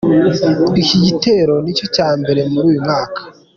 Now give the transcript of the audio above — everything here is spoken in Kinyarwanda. Iki gitero nicyo cya mbere muri uyu mwaka.